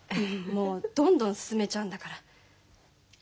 もうどんどん進めちゃうんだから。